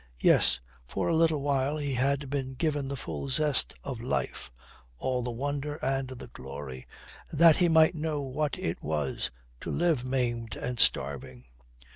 Yes, for a little while he had been given the full zest of life, all the wonder and the glory that he might know what it was to live maimed and starving.